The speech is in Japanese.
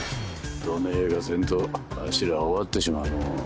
どねぇかせんとわしら終わってしまうのう。